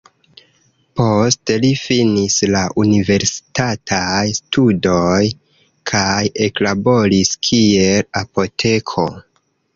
Poste li finis la universitatajn studojn kaj eklaboris kiel apoteko.